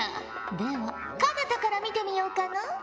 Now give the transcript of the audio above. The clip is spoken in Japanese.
では奏多から見てみようかのう。